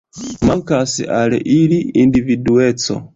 Mankas al ili individueco.